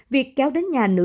việc kéo đến nhà nữ